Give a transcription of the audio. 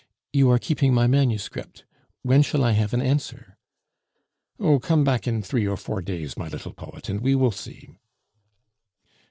"You are keeping my manuscript. When shall I have an answer?" "Oh, come back in three or four days, my little poet, and we will see."